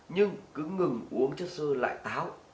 nhưng cứ ngừng uống chất sơ lại táo